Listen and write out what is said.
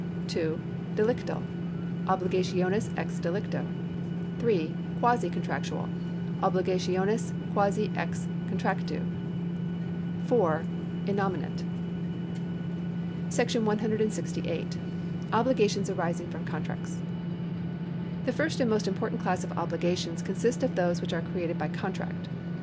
(2) Delictal — Obligationes ex delicto. (3) Quasi contractual — Obligationes quasi ex contractu. (4) Innominate. § 168. Obiig^ations arising from Contracts. The first and most important class of obligations consists of those which are created by contract.